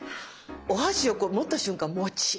お箸を持った瞬間もちっ！